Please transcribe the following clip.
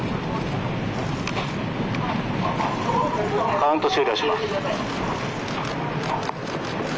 カウント終了します。